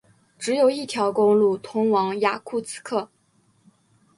只有一条公路通往雅库茨克。